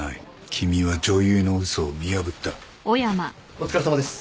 お疲れさまです。